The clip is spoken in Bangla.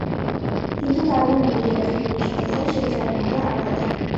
কিন্তু তার বোন মিলি একজন পুলিশ অফিসার, সে চায় বোনকে আটকাতে।